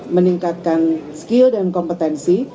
meningkatkan skill dan kompetensi